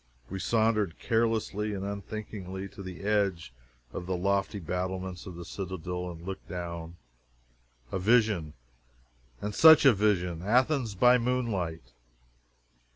We sauntered carelessly and unthinkingly to the edge of the lofty battlements of the citadel, and looked down a vision! And such a vision! Athens by moonlight!